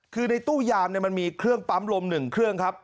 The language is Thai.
คือในตู้ยามมันมีเครื่องปั๊มลม๑เครื่องครับ